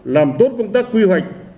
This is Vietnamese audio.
làm tốt công tác quy hoạch